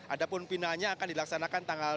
ada pun finalnya akan dilaksanakan tanggal dua puluh dua